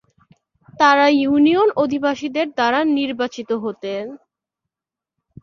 তারা ইউনিয়নের অধিবাসীদের দ্বারা নির্বাচিত হতেন।